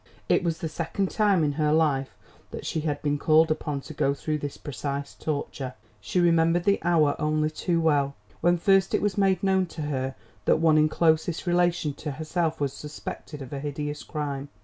It was the second time in her life that she had been called upon to go through this precise torture. She remembered the hour only too well, when first it was made known to her that one in closest relation to herself was suspected of a hideous crime.